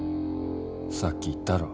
さっき言ったろ。